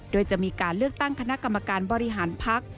โดยจะมีการเลือกตั้งคณะกรรมการบริหารพัก